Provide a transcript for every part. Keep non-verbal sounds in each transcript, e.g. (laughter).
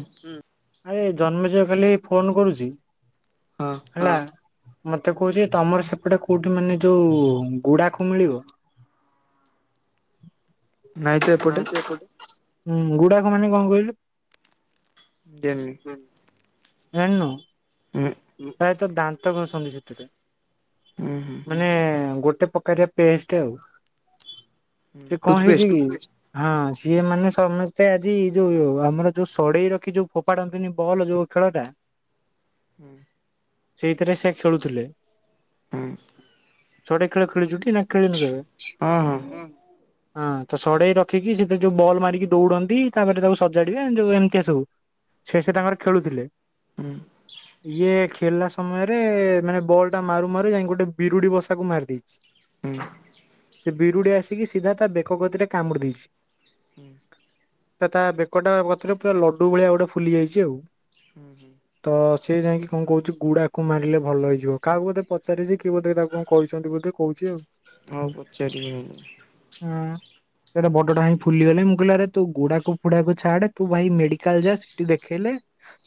ହୁଁ। ହୁଁ ଆରେ ଜନ୍ମଜୟ ଖାଲି ଫୋନ କରୁଛି, ହଁ ହେଲା ମତେ କହୁଛି ତମର ସେପଟେ କୋଉଠି ମାନେ ଯୋଉ ଗୁଡାଖୁ ମିଳିବ? ନାଇଁ ତ ଏପଟେ। ହୁଁ ଗୁଡାଖୁ ମାନେ କଣ କଇଲୁ? ଦେମି। ଜାଣିନୁ? ହୁଁ ପ୍ରାୟତଃ ଦାନ୍ତ ଘଷନ୍ତି ସେଇଥିରେ। ହୁଁ ହୁଁ ମାନେ ଗୋଟେ ପକାରିଆ ପେଷ୍ଟ ଆଉ। ସେ କଁ ହେଇଚି ଟୁଥପେଷ୍ଟ କି? ହଁ ସିଏ ମାନେ ସମସ୍ତେ ଆଜି ଯୋଉ ଆମର ଯୋଉ ସଡେଇ ରଖି ଯୋଉ ଫୋପାଡନ୍ତି ନି ବଲ୍ ଯୋଉ ଖେଳଟା। ହୁଁ। ସେଇଥିରେ ସେ ଖେଳୁଥିଲେ। ହୁଁ। ସଢ଼େଇ ଖେଳ ଖେଳିଛୁ ନା ଖେଳିନୁ କେବେ? ହଁ ହଁ ହଁ ତ ସଢ଼େଇର ରଖିକି ସେଥିରେ ଯୋଉ ବଲ ମାରିକି ଦୋଉଡନ୍ତି, ତାପରେ ତାକୁ ସଜାଡିବେ, ଯୋଉ ଏମତିଆ ସବୁ। ସିଏ ସେ ହୁଁ ତାଙ୍କର ଖେଳୁଥିଲେ। ହୁଁ ଇଏ ଖେଳିଲା ସମ ସମୟରେ ମାନେ ବଲଟା ମାରୁ ମାରୁ ଯାଇଁକି ଗୋଟେ ବିରୁଡି଼ ବସାକୁ ମାରି ଦେଇଛି। ହୁଁ। ସେ ବିରୁଡି଼ ଆସିକି ସିଧା ତା ବେକ କତିରେ କାମୁଡ଼ି ଦେଇଛି। ହୁଁ। ତା ତା ବେକଟା କତିରେ ପୁରା ଲଡୁ ଭଳିଆ ଗୋଟେ ଫୁଲି ଯାଇଛି ଆଉ। ହୁଁ, ହୁଁ। ତ ସିଏ ଯାଇଙ୍କି କଣ କଉଚି ଗୁଡାକୁ ମାରିଲେ ଭଲ ହେଇଯିବ। କାହାକୁ ବୋଧେ ପଚାରିଚି, କିଏ ବୋଧେ ତାକୁ କଣ କଇଛନ୍ତି ବୋଧେ କଉଚି ଆଉ। ହଁ ପଚାରିବି ନହେଲେ। ହଁ, ସେଇଟା ବ ଡ଼ଟା ହେଇଁ ଫୁଲିଗଲାଇ, ମୁଁ କଇଲି ଆରେ ତୁ ଗୁଡାକୁ ଫୁଡାକୁ ଛାଡେ, ତୁ ଭାଇ ମେଡିକାଲ ଯା ସେଠି ଦେଖେଇଲେ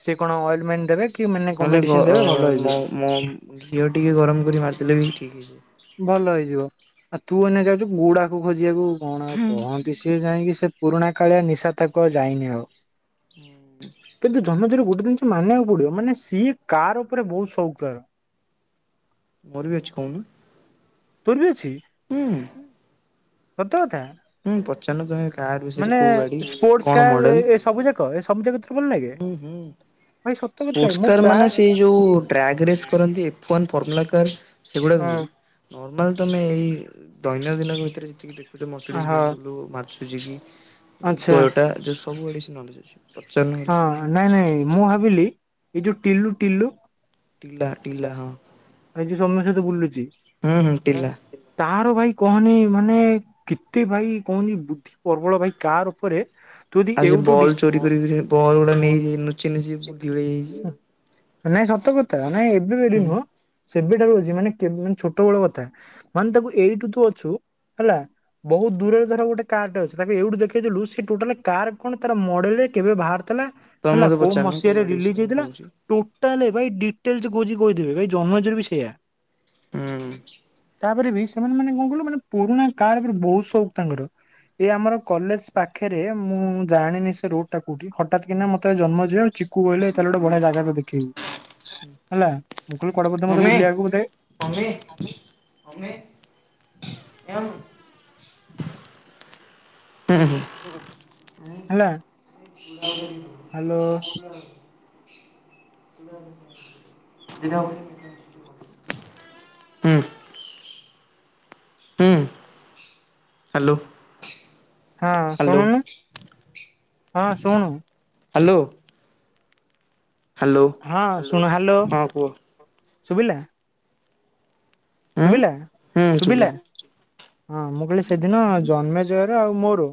ସେ କଣ ଅଏଲମେଣ୍ଟ ଦେବେ, କି ମାନେ କଣ ମେଡ଼ିସିନ ଦେବେ, ଭଲ ହେଇଯିବ। ମୋ, ଘିଅ ଟିକେ ଗରମ କରି ମାରିଦେଲେ ବି ଠିକ୍ ହେଇଯିବ। ଭଲ ହେଇଯିବ, ଆଉ ତୁ ଏଇନା ଯାଉଛୁ ଗୁଡାକୁ ଖୋଜିଆକୁ, କଣ ଆଉ ହୁଁ କହନ୍ତି ସିଟି ସିଏ ଯାଇଁକି ସେ ପୁରୁଣା କାଳିଆ ନିଶା ତାକୁ ଆଉ ଯାଇନି ଆଉ। ହୁଁ। କିନ୍ତୁ ଜନ୍ମେଜୟର ଗୋଟେ ଜିନିଷ ମାନିବାକୁ ପଡିବ, ମାନେ ସିଏ କାର ଉପରେ ବହୁତ ସଉକ ତାର। ମୋର ବି ଅଛି କହୁନୁ। ତୋର ବି ଅଛି? ହୁଁ। ସତକଥା? ହୁଁ ପଚାରୁନ ତମେ କାର ବିଷୟରେ ମାନେ କୋଉ ଗାଡି ସ୍ପୋର୍ଟ କଣ କାର ମଡେଲ ଏ ସବୁ ଯାକ ଏ ସବୁ ଯାକ ତ ହୁଁ ହୁଁ। କଥା ସ୍ପୋର୍ଟସ ମୁଁ କାର ପ୍ରାୟ ମାନେ ସେଇ ଯୋଉ ଡ୍ରାଗ ରେସ୍ କରନ୍ତି, ଏଫନ୍ ଫର୍ମୁଲା କାର ସେଗୁଡ଼ାକ ନୁହଁ। ହଁ ନର୍ମାଲ ତମେ ଏଇ ଦୈନନ୍ଦିନକ ଭିତରେ ଯେତିକି ଦେଖୁଛ, ମର୍ସିଟିଜ, ବି ହଁ ଏମ୍ ଡବ୍ଲୁ, ମାର୍କସ ସୁଜୁକି, ଆଚ୍ଛା ଟୟଟା ଯୋଉ ସବୁ ବିଷୟରେ ନଲେଜ ଅଛି। ପଚାରୁ ନହେଲେ ହଁ ନାଇଁ ନାଇଁ ମୁଁ ଭାବିଲି, ଏଇ ଯୋଉ ଟିଲୁ ଟିଲୁ ଟିଲା, ଟିଲା ହଁ। ଆଇଛି ସୌମ୍ୟ ସହିତ ବୁଲୁଚି, ହୁଁ। ତାହାର ଭାଇ କହନି ମାନେ କେତେ ଭାଇ କହନି ବୁଦ୍ଧି ପର୍ବଳ ଭାଇ କାର ଉପରେ ତୁ ଯଦି ଆଉ ସିଏ ଏଉଠୁ ବଲ୍ ଡିସ୍ ଚୋରି କରିକି ସିଏ ବଲ୍ ଗୁଡା ନେଇଯାଇ ନୁଚି ନୁଚି ବୁଦ୍ଧି ହୋଇଯାଇଛି। ନାଇଁ ସତ କଥା ନାଇଁ ଏବେ ବୋଲି ହୁଁ ନୁହଁ, ସେବେଠାରୁ ଅଛି ମାନେ କେ ମାନେ ଛୋଟ ବେଳ କଥା। ମାନେ ତାକୁ ଏଇଠୁ ତୁ ଅଛୁ ହେଲା। ବହୁତ ଦୂରରେ ଧର ଗୋଟେ କାରଟା ଅଛି ତାକୁ ଏଇଠୁ ଦେଖେଇଦଲୁ ସେ ଟୋଟାଲ କାର୍ କଣ ତାର ମଡେ ରେ କେବେ ଭାରତ କହିଲା ତମେ ହେଲା ମତେ କୋଉ ପଚାରୁନ ମସିହାରେ ଗାଡି ଦିଲ୍ଲୀ ବିଷୟରେ ମୁଁ ଯାଇଥିଲା? କହୁଛି ଟୋଟାଲ ଭାଇ ଡିଟେଲସ ଖୋଜିି କହିଦେବେ ଭାଇ ଜନ୍ମଜ ର ବି ସେଇୟା। ହୁଁ। ତାପରେ ବି ସେମାନେ ମାନେ କଣ କହିଲୁ ମାନେ ପୁରୁଣା କାର ର ବହୁତ ସଉକ ତାଙ୍କର। ଏ ଆମର କଲେଜ ପାଖରେ ମୁଁ ଜାଣିନି ସେ ରୁଟ୍ ଟା କୋଉଠି ହଠାତ୍ କିନା ମତେ ଜନ୍ମନଜୟ ଆଉ ଚିକୁ କହିଲେ ଏଇଲେ ଗୋଟେ ବଢିଆ ଜାଗା ତ ଦେଖେଇବୁ, ହେଲା। ମୁଁ କହିଲି କୁଆଡେ ବୋଧ ମତେ ମମି ବୁଲିବାକୁ ବୋଧେ ମମି (unintelligible) (unintelligible) ହୁଁ ହୁଁ। ହେଲା। (inaudible) ହାଲୋ। (unintelligible) (unintelligible) ହୁଁ ହୁଁ ହାଲୋ। ହଁ ଶୁଣୁନୁ ହଁ ଶୁଣୁ। ହାଲୋ। ହଁ ଶୁଣ ହାଲୋ ହଁ କୁହ ଶଭିଲା। ଉଁ ଶୁଭିଲା ଶୁଭିଲା ହଁ ମୁଁ କହିଲି ସେଦିନ ଜନ୍ମଜୟ ର ଆଉ ମୋର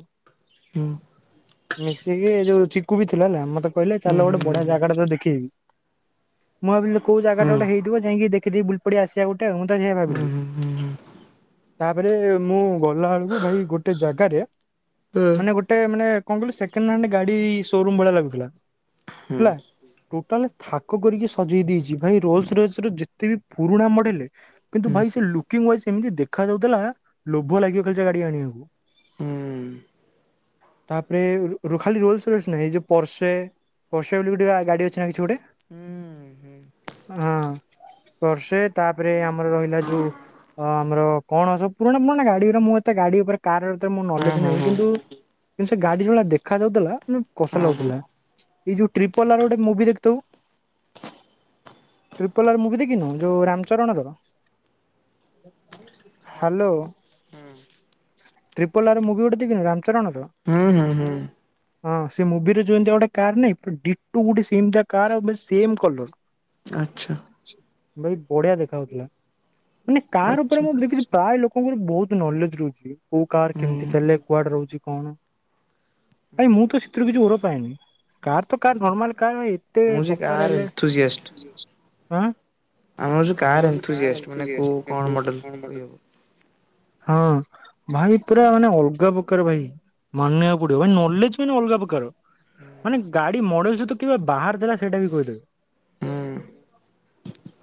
ହୁଁ। ମିଶିକି ଏ ଯୋଉ ଚିକୁ ବି ଥିଲା ହେଲା ମତେ କହିଲେ ଚାଲ ହୁଁ ଗୋଟେ ବଢିଆ ହୁଁ ଜାଗା ଟା ତତେ ଦେଖେଇବି। ମୁଁ ଭାବିଲି କୋଉ ହୁଁ ଜାଗା ହୁଁ ଟା ଗୋଟେ ହେଇଥିବ। ଯାଇକି ଦେଖି ଦେଇ ବୁଲି ପଡିକି ଆସିବା ଗୋଟେ଼ ମୁଁ ତ ସେଇଆ ହୁଁ ହୁଁ ହୁଁ ହୁଁ ହୁଁ ହୁଁ ହୁଁ ହୁଁ ହୁଁ ହୁଁ ହୁଁ ହୁଁ ହୁଁ ଭାବିଲି। ତାପରେ ମୁଁ ଗଲା ବେଳକୁ ଭାଇ ଗୋଟେ ଜାଗାରେ ମାନେ ଗୋ ଟେ ମାନେ କଣ କିଲ ସେକେଣ୍ଡ ହେଣ୍ଡ ଗାଡି ସୋ ରୁମ୍ ଭଳି ଲାଗୁଥିଲା ହେଲା। ଟୋଟାଲ ଥାକ କରିକି ସଜେଇ ଦେଇଚି ଭାଇ ରୋଲସ ରୋୟସ୍ ର ଯେତେ ବି ପୁରୁଣା ମଡ଼େଲେ କିନ୍ତୁ ଭାଇ ସେ ଲୁକିଙ୍ଗ ୱାଇଜ ଏମିତି ଦେଖା ଯାଉଥିଲା ଲୋଭ ଲାଗିବ ଖାଲି ଗାଡି ଆଣିବାକୁ। ତାପରେ ରୋ ରୋ ଖାଲି ରୋଲସରୟସ୍ ନାଇ ଏଇ ଯୋଉ ପରର୍ସେ। ପୋରସେ ବୋଲି ଟିକେ ଗାଡ଼ି ଅଛି ନା କିଛି ଗୋଟେ? ହଁ ପର୍ସେ ତାପରେ ଆମର ରହିଲା ଯୋଉ ଅ ଆମର କଣ ସବୁ ପୁରୁଣା ପୁରୁଣା ଗାଡି ଗୁଡ଼ା ମୁଁ ଏତେ ଗାଡି ଉପରେ କାର ନଲେଜ ହୁଁ ନାହିଁ ହୁଁ କିନ୍ତୁ କିନ୍ତୁ ସେ ଗାଡି ଯେଉଭଳିଆ ଦେଖା ଯାଉଥିଲା ମାନେ କସ ଲାଗୁଥିଲା। ଏଇ ଯୋଉ ଟ୍ରିପାଲାର ଗୋଟେ ମୁଭି ଦେଖଥିବୁ। ଟ୍ରିପଲାର ମୁଭି ଦେଖିନୁ ଯୋଉ ରାମଚରଣ ର ହାଲୋ। ଟ୍ରିପଲା ର ମୁଭି ଗୋଟେ ଦେଖିନୁ ରାମଚରଣର। ଉଁ ହୁଁ। ହଁ ସେ ମୁଭିରେ ଯ ଏମିତିଆ ଗଟେ କାର ନାଇଁ ଡିଟ ଗୋଟେ ସେମତି କାର୍ ଆଉ ସେମ କଲର। ଆ ଭାଇ ବଢିଆ ଦେଖା ଯାଉଥିଲା। ମାନେ କାର ଉପରେ ଆଚ୍ଛା ମୁଁ ଦେଖିଚି ପ୍ରାୟ ଲୋକଙ୍କର ବହୁତ ନଲେଜ ରହୁଚି। କୋଉ କାର୍ ହୁଁ କେମିତି ଚାଲେେ କୁଆଡେ ରହୁଚି କଣ? ଭାଇ ମୁଁ ତ ସେଥିରୁ କିଛି ଗର ପାଏନି। କାର୍ ତ କାର୍ ନର୍ମାଲ କାର୍ ଏ ତେ ମୁଁ ଯେ ପକାର କାର୍ ଏନ୍ଥୁଜିଆଷ୍ଟ ହେଲେଁ। ଆଁ ଆମେ ହେଉଚୁ କାାର୍ ଏନ୍ଥୁଜିଆଷ୍ଟ ମାନେ କଉଁ କଣ ମଡ଼େଲ୍ କହିହେବ। ହଁ ଭାଇ ପୁରା ମାନେ ଅଲଗା ପ୍ରକାର ଭାଇ। ମାନିବାକୁ ପଡିବ ଭାଇ ନଲେଜ କିନ୍ତୁ ଅଲଗା ପ୍ରକାର। ମାନେ ଗାଡି ମଡେଇ ସହିତ କେବେ ବାହାର ଦେଲା ସେଇଟା ବି କହିଦେବେ। ହୁଁ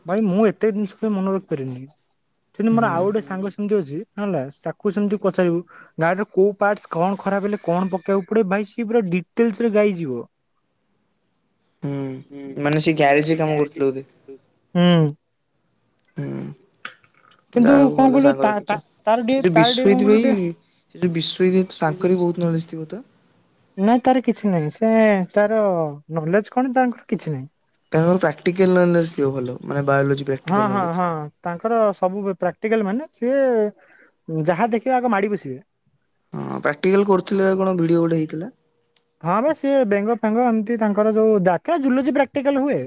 ଭାଇ ମୁଁ ଏତେ ଜିନିଷ ପାଇଁ ମନ ରଖିପାରିବିନି। ସେମିତି ମୋର ହୁଁ ଆଉ ଗୋଟେ ସାଙ୍ଗ ସେମିତି ଅଛି ହେଲା। ତାକୁ ସେମିତି ପଚାରିବୁ? ଗାଡିର କୋଉ ପାର୍ଟସ୍ କଣ ଖରାପ ହେଲେ କଣ ପକେଇବାକୁ ପଡେ ଭାଇ ସଏ ପୁରା ଡିଟେଲସ ରେ ଗାଇଯିବ। ହୁଁ ମାନେ ସେ ଗ୍ୟାରେଜ କାମ କରୁଥିଲେ ବୋଧେ। ହୁଁ। ହୁଁ କିନ୍ତୁ ଯାହା ହଉ କଣ ଭଲ କହିଲୁ ସାଙ୍ଗ ତା ତା ରଖିଚ। ତାର ଟିକେ ସେ ଯୋଉ ତାର ଟିକେ କଣ ବିଶ୍ଵଜିତି କହିଲୁ ଭାଇ ଟିକେ ସେ ବିଶୋଇ ତାଙ୍କରି ବି ବହୁତ ନଲେଜ ଥିବ ତ? ନାଇଁ ତାର କିଛି ନାହିଁ ସେ ତାର ନଲେଜ କଣ ତାଙ୍କର କିଛି ନାହିଁ। ତାଙ୍କର ପ୍ରାକ୍ଟିକାଲ ନଲେଜ ଥିବ ଭଲ ମାନେ ବାୟୋଲୋଜି ହଁ ପ୍ରାକ୍ଟିକାଲ ହଁ ନଲେଜ। ହଁ। ତାଙ୍କର ସବୁ ପ୍ରାକ୍ଟିକାଲ ମାନେ ସିଏ ଯାହା ଦେଖିବେ ଆଗ ମାଡି ବସିବେ। ହଁ ପ୍ରାକ୍ଟିକାଲ କରୁଥିଲେ ବା କଣ ଭିଡିଓ ଗୋଟେ ହେଇଥିଲା। ହଁ ବା ସିଏ ବେଙ୍ଗ ଫେଙ୍ଗ ଏମିତି ତାଙ୍କର ଯୋଉ ଡାକେ ଜୁଲୋଜି ପ୍ରାକ୍ଟିକାଲ ହୁଏ।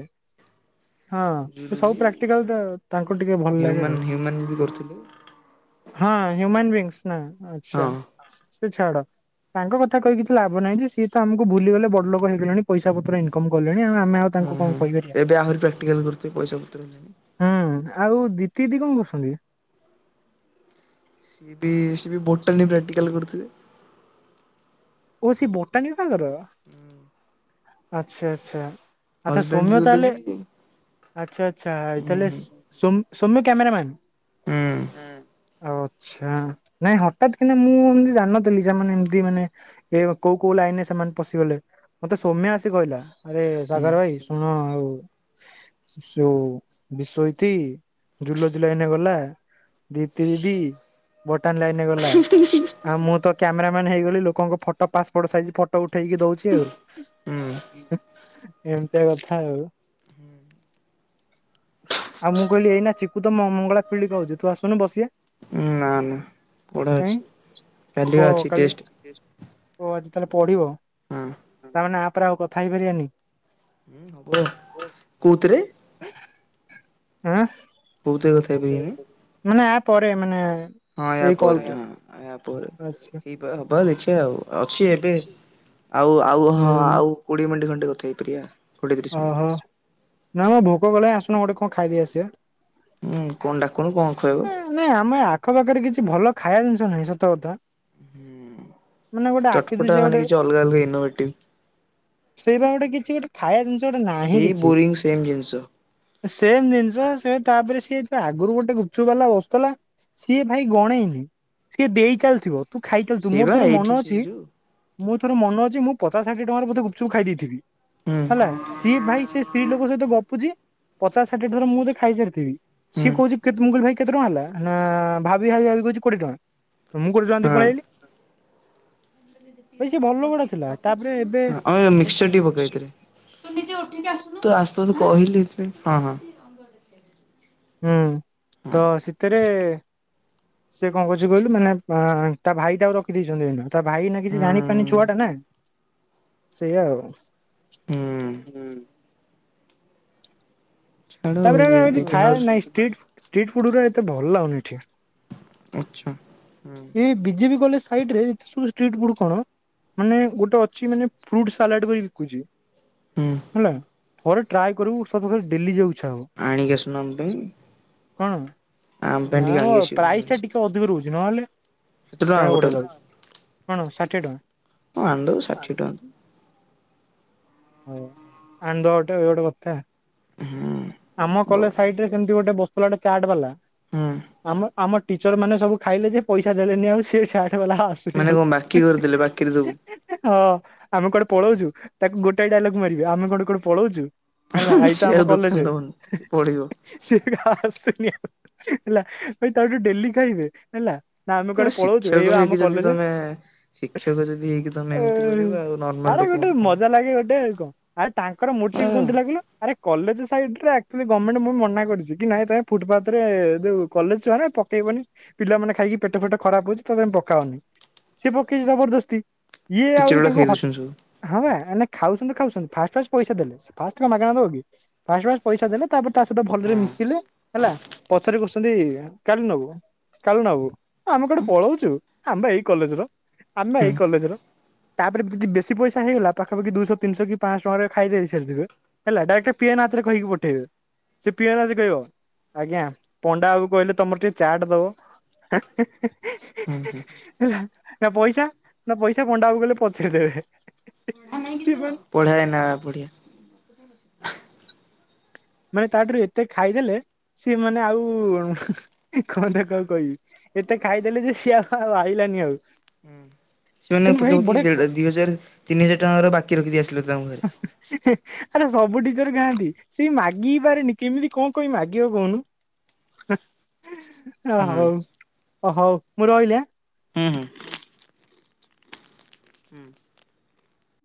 ହଁ ସେ ସବୁ ଜୁଲୋଜି ପ୍ରାକ୍ଟିକାଲ ତ ତାଙ୍କୁ ଟିକେ ଭଲ ଲାଗେ ହ୍ୟୁମାନ ଆଉ। ହ୍ୟୁମାନ ବି କରୁଥିଲେ ହଁ ହ୍ୟୁମନ ବିଙ୍ଗସ ନା ଆଛା। ହଁ। ସେ ଛାଡ ତାଙ୍କ କଥା କହି କିଛି ଲାଭ ନାହିଁ। ଯେ ସିଏ ତ ଆମକୁ ଭୁଲିଗଲେ ବଡ ଲୋକ ହେଇଗଲେଣି। ପଇସା ପତ୍ର ଇନକମ କଲେଣି ଆ ଆମେ ଆଉ ହଁ ତାଙ୍କୁ କଣ ହଁ କହିପାରିବା? ଏବେ ଆହୁରି ପ୍ରାକ୍ଟିକାଲ କରୁଥିବେ ପଇସା ପତ୍ର ହେଲାଣି। ହୁଁ ଆଉ ଦିଦି ଦି କଣ କରୁଛନ୍ତି? ସିଏ ବି ସିଏ ବି ବୋଟାନି ପ୍ରାକ୍ଟିକାଲ‌ କରୁଥିଲେ। ଓ ଅଛି ବୋଟାନି ତାଙ୍କର ଆଛା ଆଛା। ଆଚ୍ଛା ହଜବେଣ୍ଡ ସୋମ୍ୟ ତାହଲେ ଜୁଲୋଜି ଆଚ୍ଛା ଆଚ୍ଛା ହୁଁ ତାହେଲେ ହୁଁ। ସ ସୋମ ସୌମ୍ୟ କ୍ୟାମେରାମ୍ୟାନ। ହୁଁ ଅଛା ନାଇଁ ହଠାତ୍ କିନା ମୁଁ ଏମତି ଜାଣିନଥିଲି ସେମାନେ ଏମତି ମାନେ ଏ କୋଉ କୋଉ ଲାଇନ ରେ ସେମାନେ ପଶିଗଲେ। ମତେ ସୌମ୍ୟା ଆସି କହିଲା। ଆରେ ହୁଁ ସାଗର ଭାଇ ଶୁଣ ଆଉ। ସୋ ବିଶ୍ୱଜିତ୍ ଜୁଲୋଜୀ ଲାଇନ୍ ରେ ଗଲା। ଜ୍ୟୋତି ଦିଦି ବଟାନି ଲାଇନରେ ଗଲା ଆଉ ମୁଁ ତ କ୍ୟାମେରା ମାନ୍ ହେଇଗଲି ଲୋକଙ୍କ ଫଟୋ ତ ପାସପୋର୍ଟ ସାଇଜ୍ ଫଟୋ ଉଠେଇକି ଦଉଚି ଆଉ। ହୁଁ ଏମିତିଆ କଥା ଆଉ। ଆଉ ମୁଁ କହିଲି ଏଇ ନା ଚିକୁ ତ ମ-ମଙ୍ଗଳା ଖୁଳି କହୁଚି ତୁ ଆସୁନୁ ବସିବା। ନା ନା ପଢା କାଇଁ ଅଛି କାଲି ବା ଓ ଅଛି କାଲିଆ ଟେଷ୍ଟ ଓ ଆଜି ତାହେଲେ ପଡିବ ହଁ ତାମାନେ ଆପ୍ ରେ ଆଉ କଥା ହେଇପାରିବାନି। କଉତିରେ? ଆଁ। କୋଉଥିରେ କଥା ହେଇପାରିବାନି ମାନେ ଆ ପରେ ମାନେ ହଁ ୟା ଏଇ କଲ୍ ପରେ ହଁ ୟା ପରେ। ଆଚ୍ଛା। ହବା ହବା ଦେଖିବା ଆଉ ଅଛି ଏବେ ଆଉ ଆଉ ହଁ ହୁଁ ଆଉ କୋଡ଼ିଏ ମିନିଟ ଖଣ୍ଡେ କଥା ହେଇ ପାରିବା। ଓହୋ ନା ମ ଭୋକ କଲାନି ଆସୁନ ଗୋଟେ କଣ ଖାଇଦେଇ ଆସିବା। ହୁଁ କଣ ଡାକୁନୁ କଣ୍ ଖୁଆଇବ? ନାଇଁ ଆମେ ଆଖପାଖରେ କିଛି ଭଲ ଖାଇବା ଜିନିଷ ନାହିଁ ସତ କଥା। ମାନେ ଗୋଟେ ଚଟ୍ ଆଖି ପଟା ଦୁଶିଆ ମାନେ କିଛି ଅଲଗା ଅଲଗି ଇନୋଭେଟିଭ। ସେଇପା ଗୋଟେ କିଛି ଗୋଟେ ଖାଇବା ଜିନିଷ ଗୋଟେ ନାହିଁ ସେଇ କିଛି। ବୋରିଂ ସେମ ଜିନିଷ ସେମ୍ ଜିନିଷ ସେ ତାପରେ ସିଏ ହେଇଥିବ ଆଗରୁ ଗୋଟେ ଗୁପ ଗୁପଚୁପ ବାଲା ବସୁଥିଲା ସିଏ ଭାଇ ଗଣେଇନି ସିଏ ଦେଇ ଚାଲିଥିବ। ତୁ ଖାଇ ଚାଲ ଥିବୁ ସେଇ ମୋର ବା ଥୋର ଏଇଠି ମନେ ସେଇ ଅଛି ଯୋଉ ମୁଁ ଥରେ ମନ ଅଛି ମୁଁ ପଚାଶ ଷାଠିଏ ଟଙ୍କାର ବୋଧେ ଗୁପଚୁପ୍ ଖାଇ ଦେଇଥିବି ହୁଁ ହେଲା। ସିଏ ଭାଇ ସେ ସ୍ତ୍ରୀ ଲୋକଙ୍କ ସହିତ ଗପୁଛି ପଚାଶ ଷାଠିଏ ଥର ମୁଁ ମୋତେ ଖାଇସାରିଥିବି ହୁଁ। ସିଏ କହୁଛି କେତ ମୁଁ କହିଲି ଭାଇ କେତେ ଟଙ୍କା ହେଲା ନା ଭାବି ଭାବି ଭାବି କହୁଛି କୋଡ଼ିଏ ଟଙ୍କା ମୁଁ କୋଡ଼ିଏ ଟଙ୍କା ଦେଇକି ହଁ ପଳେଇ ଆଇଲି। ଭାଇ ସେ ଭଲ ଲୋକଟା ଥିଲା ତାପରେ ଏବେ (unintelligible) ତୁ ଆସୁନୁ କହିଲି (unintelligible) ହଁ ହଁ। ହୁଁ ହଁ ତ ଶୀତରେ ସେ କଣ କରଛି କହିଲୁ ମାନେ ଅ ତା ଭାଇ ତାକୁ ରଖିଦେଇଛନ୍ତି ଏଇନା ତା ଭାଇ ଏଇନା କିଛି ଜାଣି ପରୁନି ହୁଁ। ଛୁଆ ଟା ନା ସେଇଆ ଆଉ। ହୁଁ ହୁଁ। ହୁଁ। ଛାଡ ତାପରେ ଏଠି ଖାଏ ବିଗିନର ନାଇଁ ଷ୍ଟ୍ରିଟ୍ ଫୁଡ ରା ଏତେ ଭଲ ଲାଗୁନି ଏଠି। ଆଚ୍ଛା ହୁଁ। ଏଇ ବିଜେପି କଲେଜ ସାଇଡରେ ଏତେ ସବୁ ଷ୍ଟିଟ୍ ଫୁଡ କଣ? ମାନେ ଗୋଟେ ଅଛି ମାନେ ଫ୍ରୁଟ ସାଲାଡ଼ ବି ବିକୁଛି। ହୁଁ ନୋ ଥରେ ଟ୍ରାଏ କରିବୁ ସବୁବେଳେ ଡେଲି ଯିବାକୁ ଇଚ୍ଛା ହବ। ଆଣିକି ଆସୁନ ଆମ ପାଇଁ କଣ ଆମ ପାଇଁ ନା ଟିକେ ମ ଆଣିକି ଆସିବୁ। ପ୍ରାଇସ୍ ଟା ଟିକେ ଅଧିକ ରହୁଛି ନହେଲେ ଖାଇବାକୁ ବଢ଼ିଆ ଗୋଟାକୁ ଲାଗୁଛି କଣ ଷାଠିଏ ଟଙ୍କା? ହଁ ଆଣ୍ ଦବୁ ଷାଠିଏ ଟଙ୍କା ତ। ହଉ ଆଣ୍ ଦବା ଗୋଟେ ଆଉ ଇଏଟା ଗୋଟେ ହୁଁ କଥା ଆମ କଲେଜ ଦରମା ସାଇଟ୍ ରେ ସେମତି ଗୋଟେ ବସ୍ତୁଲା ଗୋଟେ ଚାଟ୍ ବାଲା। ହୁଁ। ଆମ- ଆମ ଟିଚର୍ ମାନେ ସବୁ ଖାଇଲେ ଯେ ପଇସା ଦେଲେନି ଆଉ ସେ ଚାଟ୍ ବାଲା ଆଉ ଆସୁ ଆସୁନି ମାନେ କଣ ବାକି କରିଥିଲେ ବାକିରେ ଦବୁ। ହଁ ଆମେ କୁଆଡେ଼ ପଳଉଛୁ ତାକୁ ଗୋଟାଏ ଗାଲକୁ ମାରିବେ ଆମେ କୁଆଡେ଼ କଣ ପଳଉଛୁ। ହେଲା ଏଇ ତ ସିଏ ଆମ ଆଉ ଦୋକାନ କଲେଜେ। ଦବନି ସିଏ ପଳେଇବ। ସେ ଆସୁନି ଆଉ ହେଲା ଭାଇ ତାଠୁ ଡେଲି ଖାଇବେ। ହେଲା ନା ଆମେ କୁଆଡ଼େ ପଳଉଚୁ ଶିକ୍ଷକ ଏଇ ବା ହେଇକି ଆମ ଯଦି କଲେଜେ ତମେ ଏସ୍ ଶିକ୍ଷକ ଯଦି ହେଇକି ତମେ ଉ ଏମିତି କରିବ ଆଉ ନର୍ମାଲ ଆରେ ଗୋଟେ ଲୋକଙ୍କଠୁ କଣ ମଜା ଲାଗେ ଗୋଟେ ଆଉ କଣ ଆଉ ତାଙ୍କର ମୋଟିଭ ଆଉ କଣଥିଲା କହିଲ? ଆରେ କଲେଜ ସାଇଡ୍ ରେ ଆକ୍ଚୁଆଲି ଗମେଣ୍ଟ୍ ମୁଁ ମନା କରିଚି କି ନାଇଁ ତେ ଫୁଟ୍ ପାଥ୍ ରେ ଯୋଉ କଲେଜ ଛୁଆ ନା ପ ପକେଇବନି ପିଲାମାନେ ଖାଇକି ପେଟ ଫେଟ ଖରାପ ହଉଛି ତ ତମେ ପକାଅନି ସିଏ ପକେଇଛି ଜବରଦସ୍ତି। ଇଏ ଆଉ ଟିଚର ଗୁଡା ତାଙ୍କ ଖାଇ ହ ଦଉଛନ୍ତି ସବୁ ହଁ ବା ଆମେ ଖାଉଚନ୍ତି ଖାଉଚନ୍ତି ଫାଷ୍ଟ ଫାଷ୍ଟ ପଇସା ଦେଲେ ଫାଷ୍ଟ କଣ ମାଗଣା ଦବ କି ଫାଷ୍ଟ ଫାଷ୍ଟ ପଇସା ଦେଲେ। ତାପରେ ତା ସହିତ ଭଲରେ ହଁ ମିଶିଲେ ହେଲା (unintelligible) କାଲ୍ ନବୁ କାଲ୍ ନବୁ ଆମେ କୁଆଡେ଼ ପଳଉଚୁ ଆମ୍ ପା ଏଇ କଲେଜ୍ ର। ଆମ୍ ପା ଏଇ ହୁଁ କଲେଜ ର ତାପରେ ଯଦି ବେଶୀ ପଇସା ହେଇଗଲା ପା ପାଖପଖି ଦୁଇଶହ ତିିନିଶହ କି ପାଞ୍ଚଶହ ଟଙ୍କାରେ ଖାଇ ଦେଇସାରିଥିବେ ହେଲା ଡଇରେକ୍ଟ ପିଏନ୍ ହାତରେ କହିକି ପଠେଇବ। ସେ ପିଅନ ଅସିକି କହିବ ଆଜ୍ଞା ପଣ୍ଡା ବାବୁ କହିଲେ ତମର ଟିକେ ଚାଟ୍ ଦବ। (inaudible) ହୁଁ ହୁଁ। ହେଲା ନା ପଇସା ନା ପଇସା ପଣ୍ଡାବାବୁ କହିଲେ ପଛରେ ଦେବେ। (unintelligible) ବଢ଼ିଆ ନା ବଢ଼ିଆ। (inaudible) ମାନେ ତାଠାରୁ ଏତେ ଖାଇଦେଲେ ସିଏ ମାନେ ଆଉ କଣ ତାକୁ ଆଉ କହିବି ଏତେ ଖାଇଦେଲେ ଯେ ସିଏ ଆଉ ଆଇଲାନି ଆଉ। ହୁଁ ସେମାନେ କିନ୍ତୁ ଭାଇ ପାଖାପାଖି ବଢିଆ କ- ଦେଢ଼୍- ଦି ହଜାର ତିନି ହଜାର ଟଙ୍କାର ବାକି ରଖିକି ଆସିଲେ ତାଙ୍କୁ ଆରେ ସବୁ ଟିଚର ଖାଆନ୍ତି। ସେ ମାଗି ବି ପାରେନି କେମିତି କଣ କହି ମାଗିବ କହୁନୁ। ଓ ହୁଁ ହଉ ଓ ହଉ ମୁଁ ରହିଲି ଆଁ। ହୁଁ ହୁଁ ହୁଁ।